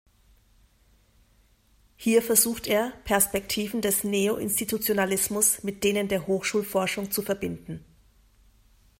Hier versucht er, Perspektiven des Neo-Institutionalismus mit denen der Hochschulforschung zu verbinden.